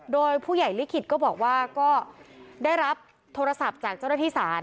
โดยผู้ใหญ่ลิขิตก็บอกว่าก็ได้รับโทรศัพท์จากเจ้าหน้าที่ศาล